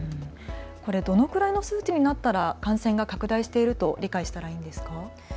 これはどのくらいの数値になったら感染が拡大していると理解したらいいんですか。